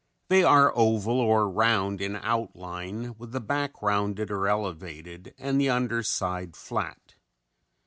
They are oval or round in outline with the back rounded or elevated and the underside flat.